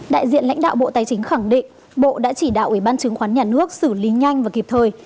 đại diện lãnh đạo bộ tài chính khẳng định bộ đã chỉ đạo ủy ban chứng khoán nhà nước xử lý nhanh và kịp thời